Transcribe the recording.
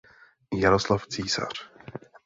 Jaroslav Císař.